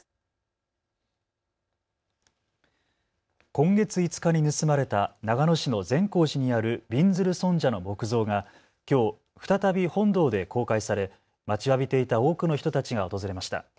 今月５日に盗まれた長野市の善光寺にあるびんずる尊者の木像がきょう、再び本堂で公開され待ちわびていた多くの人たちが訪れました。